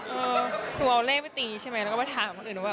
เออคือเอาเลขไปตีใช่ไหมแล้วก็ไปถามคนอื่นว่า